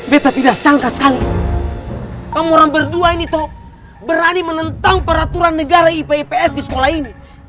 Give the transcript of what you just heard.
beta tidak sangka sekali kamu orang berdua ini toh berani menentang peraturan negara ip ips di sekolah ini